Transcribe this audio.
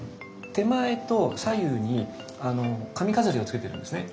手前と左右に髪飾りをつけてるんですね。